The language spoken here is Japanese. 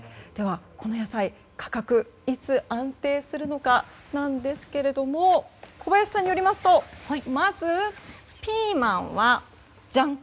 この野菜価格、いつ安定するのかですが小林さんによりますとまず、ピーマンは、じゃん！